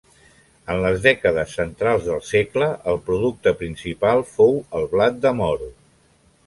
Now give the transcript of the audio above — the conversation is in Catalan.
En les dècades centrals del segle, el producte principal fou el blat de moro.